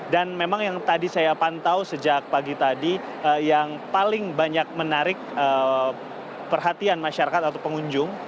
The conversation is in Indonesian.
dan memang yang tadi saya pantau sejak pagi tadi yang paling banyak menarik perhatian masyarakat atau pengunjung